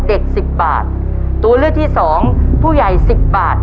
สิบบาทตัวเลือกที่สองผู้ใหญ่สิบบาท